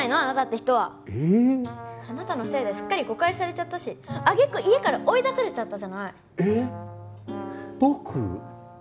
あなたって人はえっあなたのせいですっかり誤解されちゃったしあげく家から追い出されちゃったじゃないえっ